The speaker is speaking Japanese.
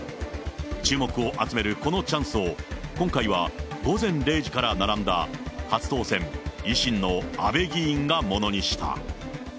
注目を集めるこのチャンスを、今回は午前０時から並んだ初当選、維新の阿部議員がものにした。